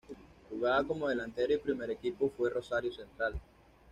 Jugaba como delantero y primer equipo fue Rosario Central.